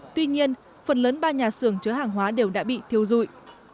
tuy nhiên phần lớn ba nhà xưởng chứa hàng hóa đều đã bị thiêu dụi